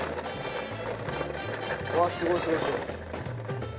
うわっすごいすごいすごい。